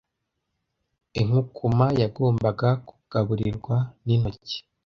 Inkukuma yagombaga kugaburirwa n'intoki.